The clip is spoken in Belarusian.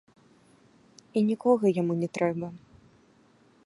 І нікога яму не трэба.